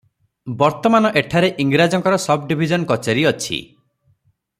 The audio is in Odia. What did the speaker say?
ବର୍ତ୍ତମାନ ଏଠାରେ ଇଂରାଜଙ୍କର ସବ୍ଡ଼ିବିଜନ କଚେରୀ ଅଛି ।